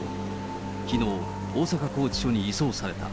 きのう、大阪拘置所に移送された。